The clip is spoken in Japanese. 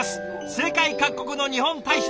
世界各国の日本大使の皆さん